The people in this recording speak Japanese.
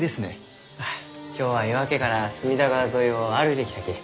あ今日は夜明けから隅田川沿いを歩いてきたき。